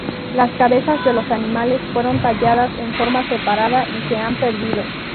Las cabezas de los animales fueron talladas en forma separada y se han perdido.